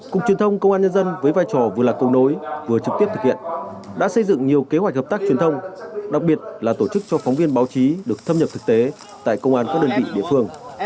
cục truyền thông công an nhân dân với vai trò vừa là công nối vừa trực tiếp thực hiện đã xây dựng nhiều kế hoạch hợp tác truyền thông đặc biệt là tổ chức cho phóng viên báo chí được thâm nhập thực tế tại công an các đơn vị địa phương